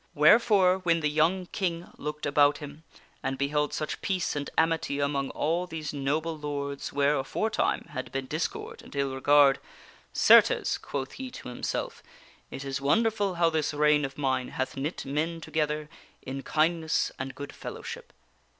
Wherefore, when the young King looked about him and beheld such peace and amity among all these noble lords where, aforetime, had been discord and ill regard :" Certes," quoth he to himself, " it is wonderful how this reign of mine hath knit men together in kindness and 8o THE WINNING OF A QUEEN good fellowship